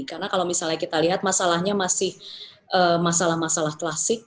karena kalau misalnya kita lihat masalahnya masih masalah masalah klasik